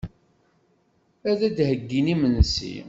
Ad d-heyyin imensi.